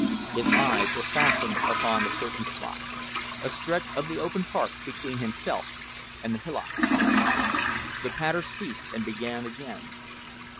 His eyes were fastened upon a certain spot, a stretch of the open park between himself and the hillocks. The patter ceased and began again.